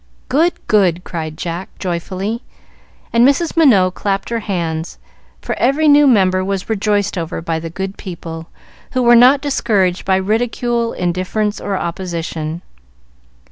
"Good! good!" cried Jack, joyfully, and Mrs. Minot clapped her hands, for every new member was rejoiced over by the good people, who were not discouraged by ridicule, indifference, or opposition.